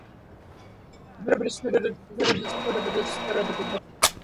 It was written by Ron Hauge and directed by Dominic Polcino.